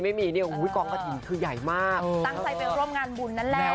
ไม่มีเนี่ยกองกระถิ่นคือใหญ่มากตั้งใจไปร่วมงานบุญนั่นแหละ